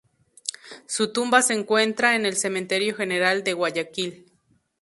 Su tumba se encuentra en el Cementerio General de Guayaquil.